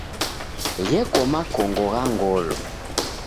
Gheko makongo gha ngolo.